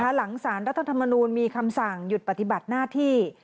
หลังสารรัฐธรรมนูลมีคำสั่งหยุดปฏิบัติหน้าที่